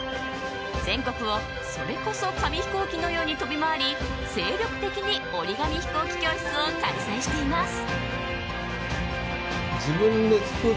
全国をそれこそ紙飛行機のように飛び回り精力的に折り紙ヒコーキ教室を開催しています。